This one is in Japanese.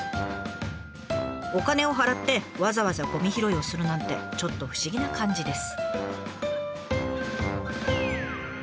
お金を払ってわざわざゴミ拾いをするなんてちょっと不思議な感じです。